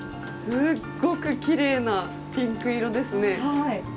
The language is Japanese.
すごくきれいなピンク色ですね。